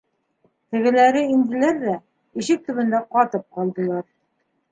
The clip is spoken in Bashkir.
Тегеләре инделәр ҙә ишек төбөндә ҡатып ҡалдылар.